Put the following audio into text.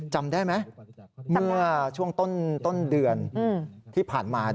จำได้ไหมเมื่อช่วงต้นเดือนที่ผ่านมา